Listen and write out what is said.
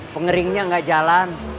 pengeringnya gak jalan